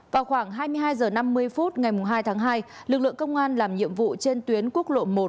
vào khoảng hai mươi hai h năm mươi phút ngày hai tháng hai lực lượng công an làm nhiệm vụ trên tuyến quốc lộ một